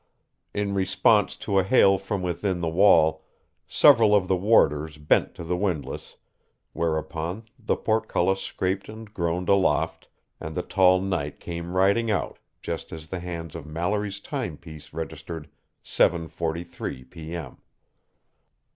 In response to a hail from within the wall, several of the warders bent to the windlass, whereupon the portcullis scraped and groaned aloft, and the tall knight came riding out just as the hands of Mallory's timepiece registered 7:43 p.m.